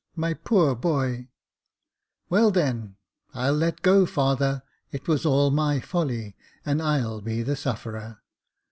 My poor boy !"" Well then, I'll let go, father ; it was all my folly, and I'll be the sufferer."